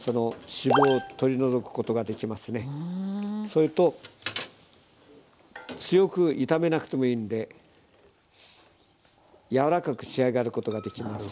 それと強く炒めなくてもいいので柔らかく仕上がることができます。